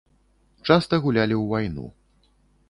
Часта гулялі ў вайну.